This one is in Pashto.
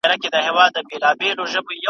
کله وخت کله ناوخته مي وهلی ,